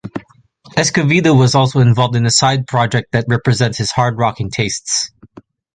Escovedo was also involved in a side project that represents his hard-rocking tastes.